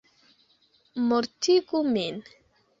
Mortigu min!